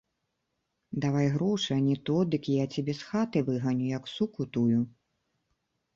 Давай грошы, а не то, дык я цябе з хаты выганю, як суку тую.